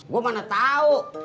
saya tidak tahu